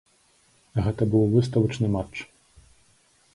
Гэта быў выставачны матч.